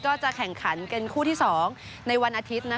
ก็จะแข่งขันเป็นคู่ที่๒ในวันอาทิตย์